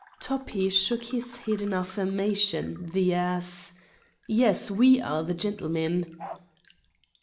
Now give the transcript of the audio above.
Toppi shook his head in affirmation the ass: "Yes, we are the gentlemen."